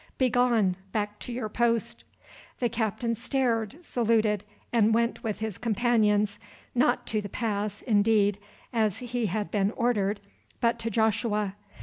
Be gone back to your post!" The captain stared, saluted, and went with his companions, not to the pass, indeed, as he had been ordered, but to Joshua.